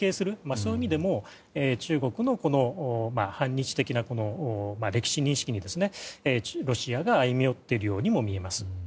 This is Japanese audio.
そういう意味でも中国の反日的な歴史認識にロシアが歩み寄っているようにも見えます。